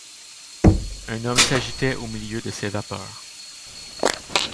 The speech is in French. Un homme s’agitait au milieu de ces vapeurs.